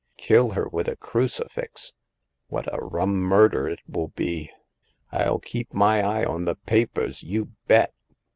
Kill her with a crucifix ! What a rum murder it will be ! FU keep my eye on the papers, you bet